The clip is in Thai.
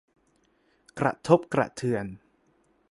กระทบกระเทือน